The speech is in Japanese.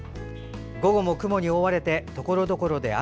午後も雲に覆われてところどころで雨。